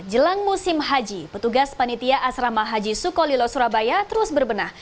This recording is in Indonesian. jelang musim haji petugas panitia asrama haji sukolilo surabaya terus berbenah